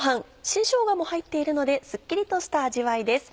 新しょうがも入っているのですっきりとした味わいです。